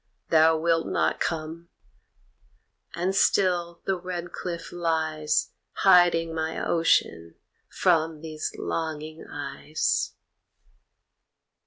Thou wilt not come, and still the red cliff lies Hiding my ocean from these longing eyes.